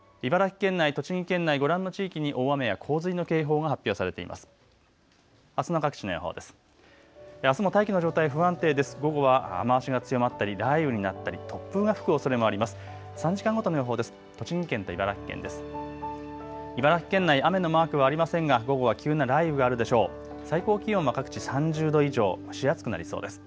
茨城県内、栃木県内、ご覧の地域に大雨や洪水の警報が発表されています。